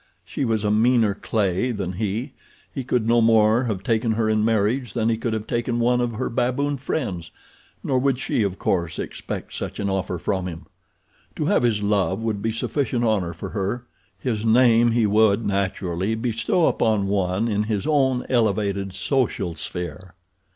She was a meaner clay than he. He could no more have taken her in marriage than he could have taken one of her baboon friends, nor would she, of course, expect such an offer from him. To have his love would be sufficient honor for her—his name he would, naturally, bestow upon one in his own elevated social sphere.